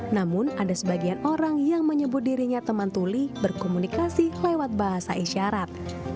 namun ada sebagian orang yang menyebut dirinya teman tuli berkomunikasi lewat bahasa isyarat